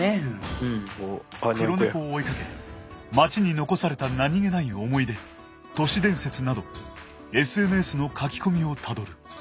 黒猫を追いかけ街に残された何気ない思い出都市伝説などＳＮＳの書き込みをたどる。